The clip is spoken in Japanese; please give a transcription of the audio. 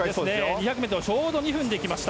２００ｍちょうど２分で来ました。